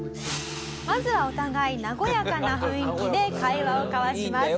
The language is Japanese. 「まずはお互い和やかな雰囲気で会話を交わします」